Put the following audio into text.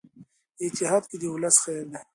اتحاد کې د ولس خیر دی.